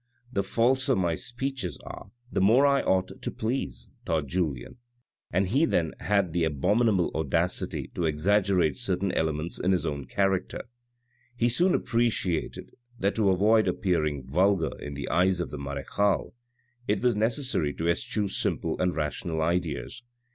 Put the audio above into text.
" The falser my speeches are the more I ought to please," thought Julien, and he then had the abominable audacity to exaggerate certain elements in his own character. He soon appreciated that to avoid appearing vulgar in the eyes of the marechale it was necessary to eschew simple and rational ideas.